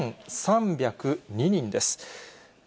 ５３０２人です。